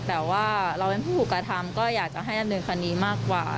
แต่ว่าเราเป็นผู้กระทำก็อยากจะให้เรื่องคนนี้มากกว่า